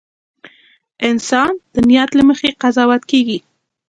• انسان د نیت له مخې قضاوت کېږي.